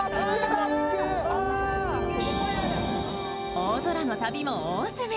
大空の旅も大詰め。